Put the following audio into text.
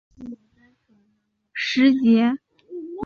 岁月不居，时节如流。